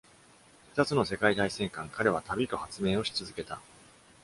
二つの世界大戦間、彼は旅と発明をし続けた。